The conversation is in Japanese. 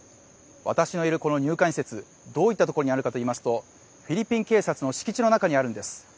私のいるこの入管施設、どういったところにあるかといいますとフィリピン警察の敷地の中にあるんです。